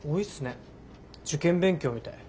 受験勉強みたい。